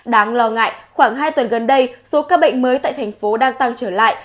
đáng lo ngại khoảng hai tuần gần đây số ca bệnh mới tại thành phố đang tăng trở lại